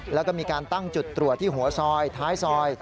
แล้วก็มีการตั้งจุดตรวจที่หัวซอยท้ายซอย